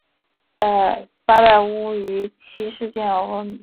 八百屋于七事件而闻名。